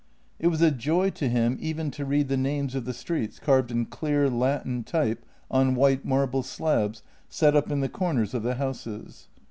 It was a joy to him even to read the names of the streets carved in clear, Latin type on white marble slabs set in the corners of the houses.